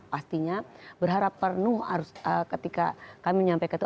pastinya berharap penuh ketika kami menyampaikan itu